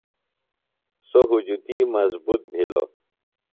سو ہُجتی مضبوط بِھلوۡ۔